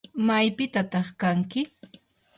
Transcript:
¿maypitataq kanki?